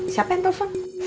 siapa yang telfon